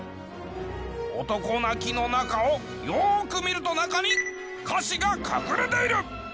「男泣きの中」をよく見ると中に「カシ」が隠れている！